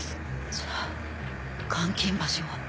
じゃあ監禁場所は。